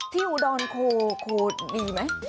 ที่อุดรโคดีไหม